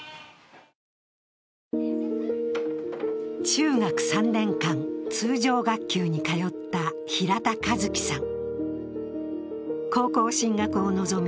中学３年間、通常学級に通った平田和毅さん。